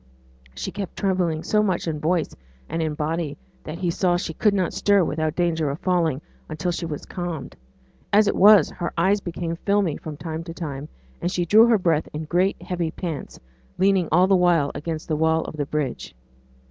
She kept trembling so much in voice and in body, that he saw she could not stir without danger of falling until she was calmed; as it was, her eyes became filmy from time to time, and she drew her breath in great heavy pants, leaning all the while against the wall of the bridge.